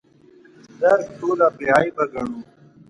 درک ټوله بې عیبه ګڼو.